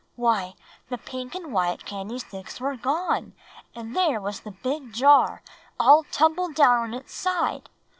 "Why, the pink and white candy sticks were gone, and there was the big jar all tumbled down on its side!"